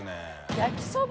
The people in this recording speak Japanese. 焼きそば？